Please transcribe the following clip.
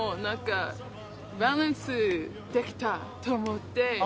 バランスができてると思って。